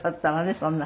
そんな。